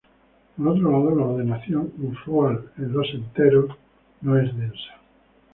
Por otro lado, la ordenación usual en los enteros no es densa.